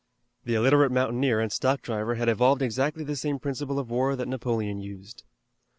The illiterate mountaineer and stock driver had evolved exactly the same principle of war that Napoleon used.